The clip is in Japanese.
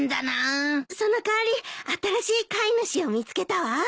その代わり新しい飼い主を見つけたわ。